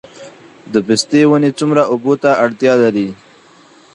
د پستې ونې څومره اوبو ته اړتیا لري؟